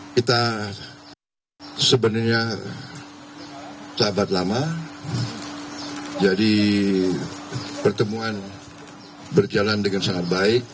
kita sebenarnya sahabat lama jadi pertemuan berjalan dengan sangat baik